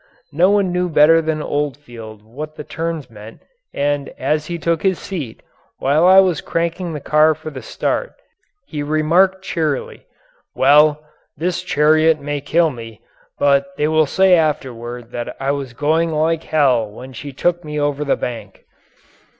No one knew better than Oldfield what the turns meant and as he took his seat, while I was cranking the car for the start, he remarked cheerily: "Well, this chariot may kill me, but they will say afterward that I was going like hell when she took me over the bank."